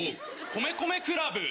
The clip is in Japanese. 米米 ＣＬＵＢ。